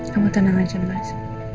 kamu tenang aja mas